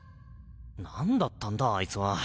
何だったんだあいつは。